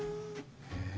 へえ。